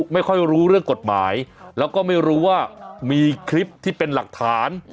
ไม่ค่อยรู้เรื่องกฎหมายแล้วก็ไม่รู้ว่ามีคลิปที่เป็นหลักฐาน